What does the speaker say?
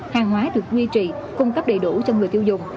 hàng hóa được duy trì cung cấp đầy đủ cho người tiêu dùng